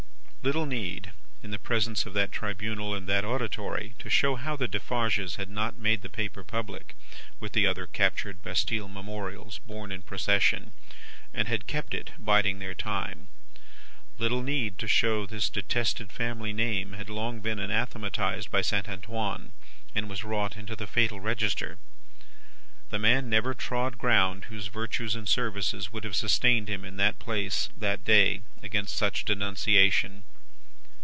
Little need, in presence of that tribunal and that auditory, to show how the Defarges had not made the paper public, with the other captured Bastille memorials borne in procession, and had kept it, biding their time. Little need to show that this detested family name had long been anathematised by Saint Antoine, and was wrought into the fatal register. The man never trod ground whose virtues and services would have sustained him in that place that day, against such denunciation.